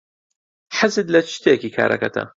حەزت لە چ شتێکی کارەکەتە؟